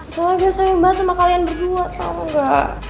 soalnya gue sayang banget sama kalian berdua tau gak